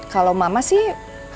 kalau mama sih